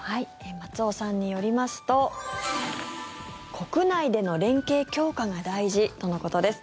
松尾さんによりますと国内での連携強化が大事とのことです。